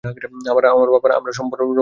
আবার আমরা সোম সারোবার যাবো।